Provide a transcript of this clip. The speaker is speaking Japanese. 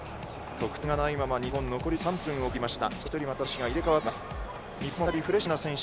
得点がないまま、日本残り時間３分を切りました。